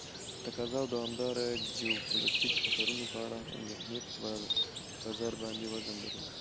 د تقاضا او دوامداره جیوپولیتیک خطرونو په اړه اندیښنې په بازار باندې وزن درلود.